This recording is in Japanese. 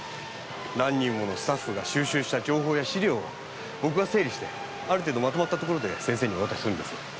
何人ものスタッフが収集した情報や資料を僕が整理してある程度まとまったところで先生にお渡しするんです。